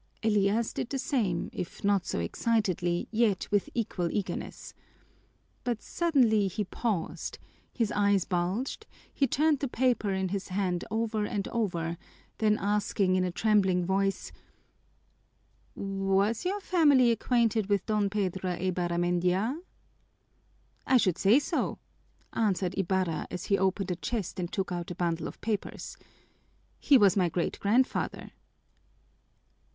Elias did the same, if not so excitedly, yet with equal eagerness. But suddenly he paused, his eyes bulged, he turned the paper in his hand over and over, then asked in a trembling voice: "Was your family acquainted with Don Pedro Eibarramendia?" "I should say so!" answered Ibarra, as he opened a chest and took out a bundle of papers. "He was my great grandfather."